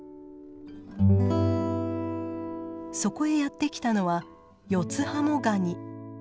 そこへやって来たのはヨツハモガニ。